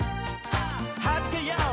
「はじけよう！